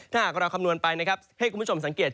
ถ้าหากเราคำนวณไปนะครับให้คุณผู้ชมสังเกต